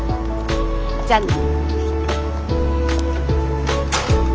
じゃあね。